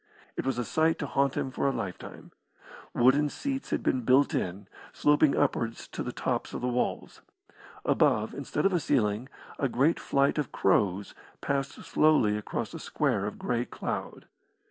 It was a sight to haunt him for a lifetime. Wooden seats had been built in, sloping upwards to the tops of the walls. Above, instead of a ceiling, a great flight of crows passed slowly across a square of grey cloud.